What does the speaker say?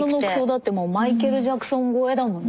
だってもうマイケル・ジャクソン超えだもんね。